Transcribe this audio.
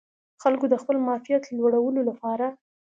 خلکو د خپل معافیت لوړولو لپاره